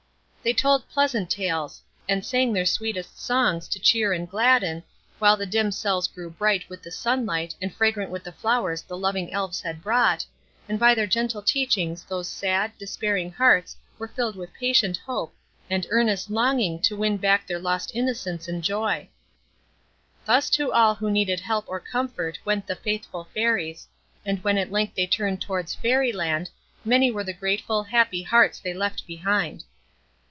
They told pleasant tales, and sang their sweetest songs to cheer and gladden, while the dim cells grew bright with the sunlight, and fragrant with the flowers the loving Elves had brought, and by their gentle teachings those sad, despairing hearts were filled with patient hope and earnest longing to win back their lost innocence and joy. Thus to all who needed help or comfort went the faithful Fairies; and when at length they turned towards Fairy Land, many were the grateful, happy hearts they left behind.